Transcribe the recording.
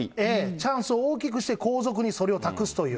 チャンス大きくして後続にそれを託すという。